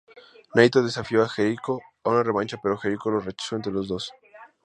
Naito desafió a Jericho a una revancha, pero Jericho lo rechazó entre los dos.